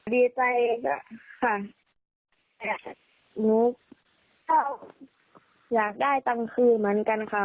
ดีใจค่ะหนูก็อยากได้ตังค์คืนเหมือนกันค่ะ